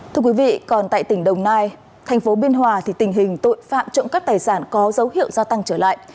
thưa quý vị còn tại tỉnh đồng nai tp biên hòa thì tình hình tội phạm trộm cắt tài sản có dấu hiệu gia tăng trở lại